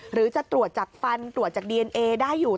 หรือจะตรวจจากฟันตรวจจากดีเอนเอได้อยู่